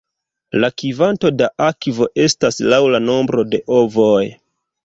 La kvanto da akvo estas laŭ la nombro de ovoj.